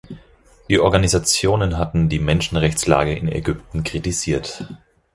Die Organisationen hatten die Menschenrechtslage in Ägypten kritisiert.